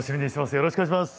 よろしくお願いします。